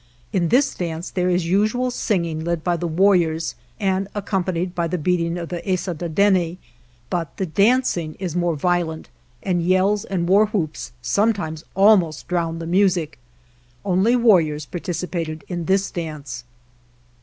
In this dance there is the usual singing led by the warriors and accompanied with the beating of the " esadadene," but the dancing is more vio lent, and yells and war whoops sometimes almost drown the music. Only warriors participated in this dance.